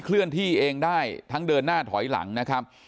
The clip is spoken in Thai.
เลื่อนที่เองได้ทั้งเดินหน้าถอยหลังนะครับ